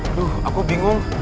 aduh aku bingung